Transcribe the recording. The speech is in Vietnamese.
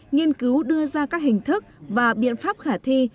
nghiên cứu đưa ra các hình thức và biện pháp khả thi